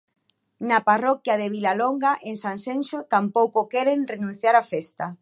Na parroquia de Vilalonga, en Sanxenxo, tampouco queren renunciar á festa.